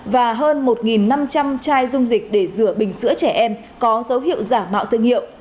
và hơn một năm trăm linh chai dung dịch để rửa bình sữa trẻ em có dấu hiệu giả mạo thương hiệu